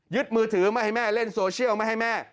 มือถือมาให้แม่เล่นโซเชียลไม่ให้แม่